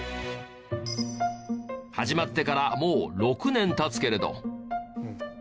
始まってからもう６年経つけれど。